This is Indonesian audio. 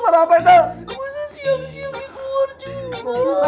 masa siang siang di keluar juga